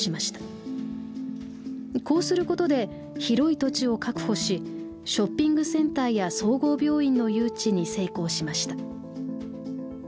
こうすることで広い土地を確保しショッピングセンターや総合病院の誘致に成功しました。